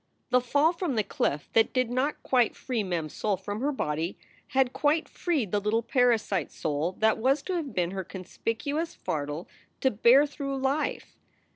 The fall from the cliff that did not quite free Mem s soul from her body had quite freed the little parasite soul that was to have been her conspicuous fardel to bear through life.